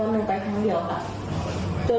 พี่ประโยชน์อาจจะ